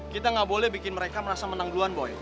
kita nggak boleh bikin mereka merasa menang duluan boy